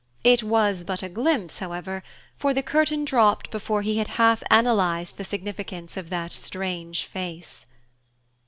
It was but a glimpse, however, for the curtain dropped before he had half analyzed the significance of that strange face.